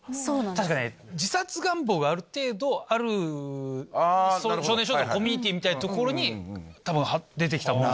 確かね自殺願望がある程度ある少年少女のコミュニティーみたいな所に多分出て来たもの。